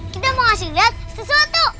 kita mau ngasih lihat sesuatu